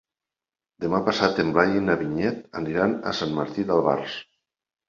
Demà passat en Blai i na Vinyet aniran a Sant Martí d'Albars.